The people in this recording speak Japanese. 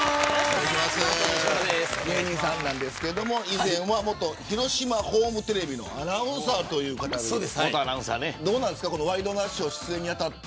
芸人さんなんですけど以前は広島ホームテレビのアナウンサーという方でどうなんですかワイドナショー出演に当たって。